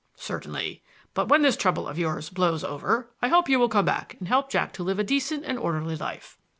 "Certainly. But when this trouble of yours blows over, I hope you will come back and help Jack to live a decent and orderly life."